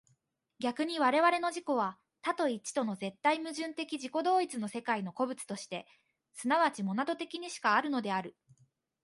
逆に我々の自己は多と一との絶対矛盾的自己同一の世界の個物として即ちモナド的にしかあるのである。